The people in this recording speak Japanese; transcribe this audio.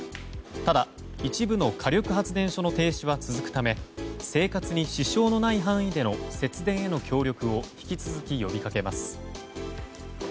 ただ、一部の火力発電所の停止は続くため生活に支障のない範囲での節電への協力を引き続き呼びかけます。